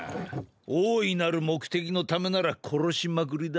大いなる目的のためなら殺しまくりだ。